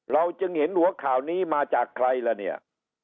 เราจึงเห็นหัวข่าวนี้มาจากใครล่ะเนี่ย